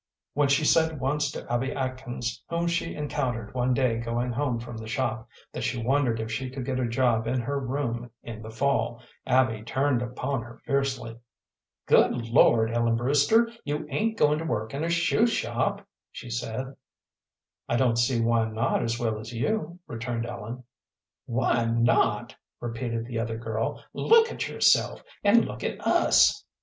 When she said once to Abby Atkins, whom she encountered one day going home from the shop, that she wondered if she could get a job in her room in the fall, Abby turned upon her fiercely. "Good Lord, Ellen Brewster, you ain't going to work in a shoe shop?" she said. "I don't see why not as well as you," returned Ellen. "Why not?" repeated the other girl. "Look at yourself, and look at us!"